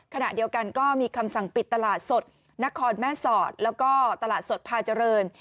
ขณะเดียวกันก็มีคำสั่งปิดตลาดสดนครแม่สอดแล้วก็ตลาดสดพาเจริญ